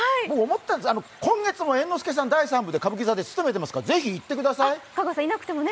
僕、思ったんですが、今月も猿之助さん、第３部で歌舞伎座で務めていますからぜひ行ってください。